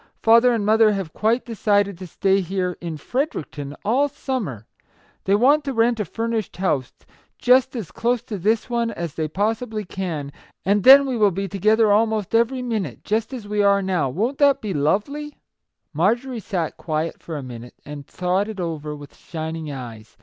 " Father and mother have quite decided to stay here, in Fredericton, all summer ! They want to rent a furnished house, just as close to this one as they possibly can ; and then we will be together almost every minute, just as we are now. Wont it be lovely ?" Marjorie sat quiet for a minute, and thought it over with shining eyes.